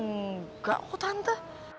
nggak aku tante